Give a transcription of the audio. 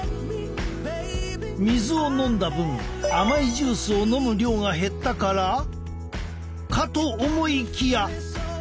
水を飲んだ分甘いジュースを飲む量が減ったから？かと思いきや！